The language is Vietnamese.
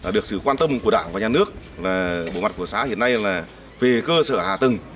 được sự quan tâm của đảng và nhà nước bộ mặt của xã hiện nay là về cơ sở hạ tầng